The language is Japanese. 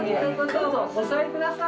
どうぞお座り下さい。